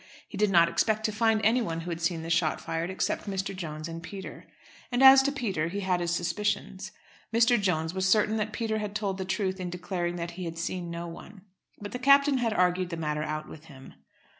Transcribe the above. He did not expect to find anyone who had seen the shot fired, except Mr. Jones and Peter. As to Peter he had his suspicions. Mr. Jones was certain that Peter had told the truth in declaring that he had seen no one; but the Captain had argued the matter out with him.